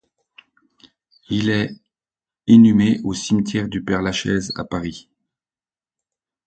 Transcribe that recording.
Il est inhumé au Cimetière du Père-Lachaise à Paris.